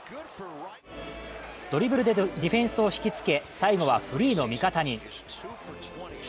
ドリブルでディフェンスを引きつけ最後はフリーの味方に。